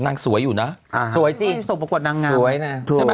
หนังสวยสิถูกมากว่านางงาม